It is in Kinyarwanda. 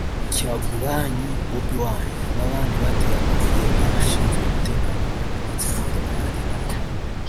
Kyagulanyi (Bobi Wine) n’abandi bateye amabuye abashinzwe umutekano wanjye ndetse n’imodoka yanjye narimo